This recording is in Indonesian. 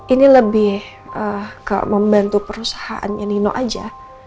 ini lebih membantu perusahaannya nino aja